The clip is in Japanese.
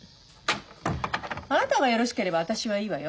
あなたがよろしければ私はいいわよ。